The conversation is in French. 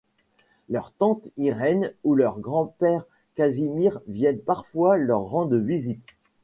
Leur tante Irène ou leur grand-père Casimir viennent parfois leur rendre visite.